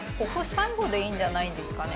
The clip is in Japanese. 最後でいいんじゃないんですかね？」